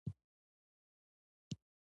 د ماهیانو په مېله سوو